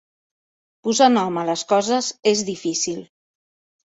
Posar nom a les coses és difícil.